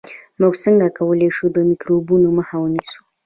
موږ څنګه کولای شو د میکروبونو مخه ونیسو